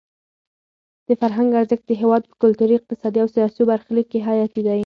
د فرهنګ ارزښت د هېواد په کلتوري، اقتصادي او سیاسي برخلیک کې حیاتي دی.